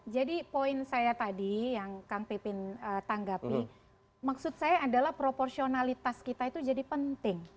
jadi poin saya tadi yang kang pepin tanggapi maksud saya adalah proporsionalitas kita itu jadi penting